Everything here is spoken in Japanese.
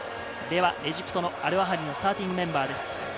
エジプトのアルアハリのスターティングメンバーです。